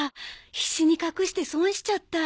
必死に隠して損しちゃった